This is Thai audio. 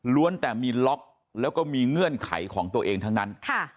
แต่มีล็อกแล้วก็มีเงื่อนไขของตัวเองทั้งนั้น